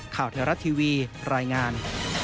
ข่าวไทยรัฐทีวีรายงาน